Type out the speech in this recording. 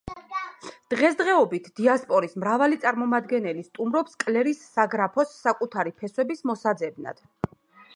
დღესდღეობით, დიასპორის მრავალი წარმომადგენელი სტუმრობს კლერის საგრაფოს საკუთარი ფესვების მოსაძებნად.